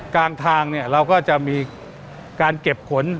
กลางทางเราก็จะมีการเก็บขน